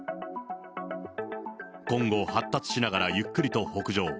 今後、発達しながらゆっくりと北上。